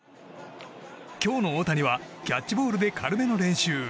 今日の大谷はキャッチボールで軽めの練習。